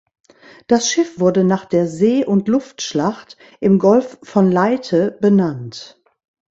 Das Schiff wurde nach der See- und Luftschlacht im Golf von Leyte benannt.